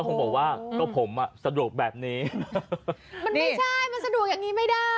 มันไม่ใช่มันสะดวกอย่างงี้ไม่ได้